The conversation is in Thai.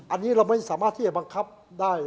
อันนี้เราไม่สามารถที่จะบังคับได้